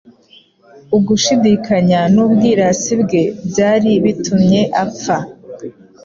Ugushidikanya n'ubwirasi bwe byari bitumye apfa.